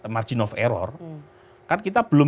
margin of error kan kita belum